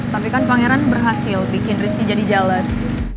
tapi kan pangeran berhasil bikin rizky jadi jales